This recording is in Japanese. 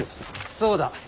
そうだ。